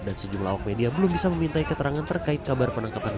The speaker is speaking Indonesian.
dan sejumlah ok media belum bisa memintai keterangan terkait kabar penangkapan bupati